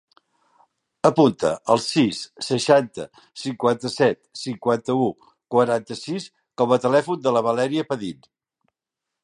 Apunta el sis, seixanta, cinquanta-set, cinquanta-u, quaranta-sis com a telèfon de la Valèria Padin.